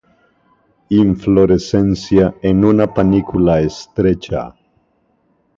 Inflorescencia en una panícula estrecha.